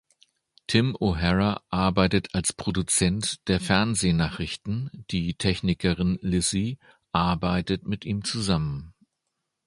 Tim O’Hara arbeitet als Produzent der Fernsehnachrichten, die Technikerin Lizzie arbeitet mit ihm zusammen.